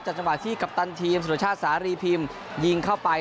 จังหวะที่กัปตันทีมสุรชาติสารีพิมพ์ยิงเข้าไป